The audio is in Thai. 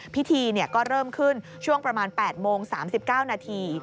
พิธีก็เริ่มขึ้นช่วงประมาณ๘โมง๓๙นาที